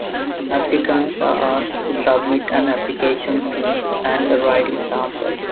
Applicants are asked to submit an application fee and a writing sample.